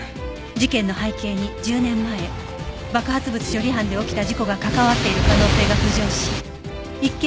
事件の背景に１０年前爆発物処理班で起きた事故が関わっている可能性が浮上し一見